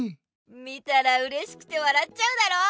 見たらうれしくて笑っちゃうだろ？